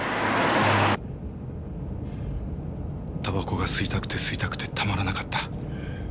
たばこが吸いたくて吸いたくてたまらなかった。